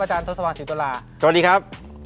อาจารย์ทศวาสิตุลาสวัสดีครับ